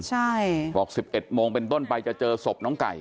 ใช่บอก๑๑โมงเป็นต้นไปจะเจอศพน้องไก่